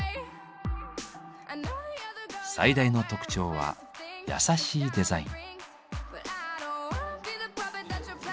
最大の特徴は優しいデザイン。